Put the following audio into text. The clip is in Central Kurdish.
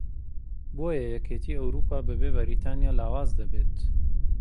بۆیە یەکێتی ئەوروپا بەبێ بەریتانیا لاواز دەبێت